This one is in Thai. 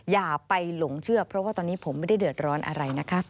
อย่าไปหลงเชื่อเพราะว่าตอนนี้ผมไม่ได้เดือดร้อนอะไรนะคะ